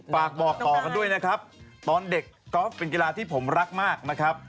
ฝากบอกต่อกันด้วยนะครับตอนเด็กกอล์ฟเป็นกีฬาที่ผมรักมากนะครับ